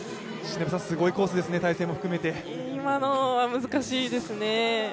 すごいコースですね、体勢も含めて今のは難しいですね。